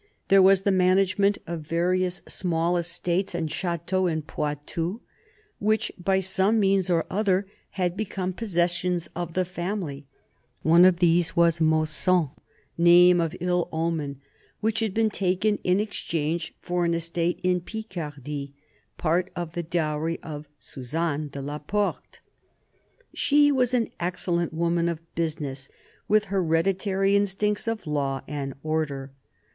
There was the management of various small estates and chateaux in Poitou, which by some means or other had become possessions of the family: one of these was Mausson, name of ill omen, which had been taken in exchange for an estate in Picardy, part of the dowry of Suzanne de la Porte. She was an excellent woman of business, with hereditary instincts of law and order.